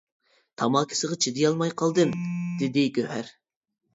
تاماكا ئىسىغا چىدىيالماي قالدىم، — دېدى گۆھەر.